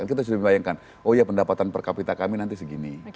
kita sudah membayangkan oh ya pendapatan per kapita kami nanti segini